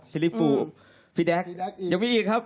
ลิฟูพี่แด๊กยังมีอีกครับ